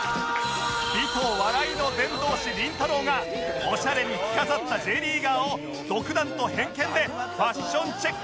美と笑いの伝道師りんたろー。がオシャレに着飾った Ｊ リーガーを独断と偏見でファッションチェックしちゃいます！